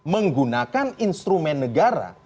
menggunakan instrumen negara